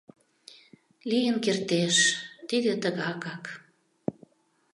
— Лийын кертеш, тиде тыгакак.